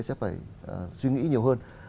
sẽ phải suy nghĩ nhiều hơn